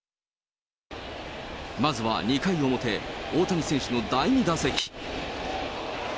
まずは２回の表、大谷選手の第２打席。